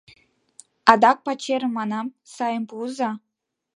Адак пачерым, манам, сайым пуыза.